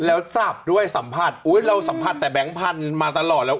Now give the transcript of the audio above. แล้วสับด้วยสัมผัสอุ๊ยเราสัมผัสแต่แบงค์พันธุ์มาตลอดแล้ว